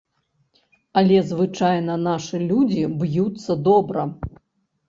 Але звычайна нашы людзі б'юцца добра.